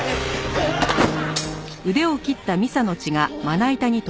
うわっ！